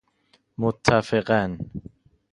متفقا ً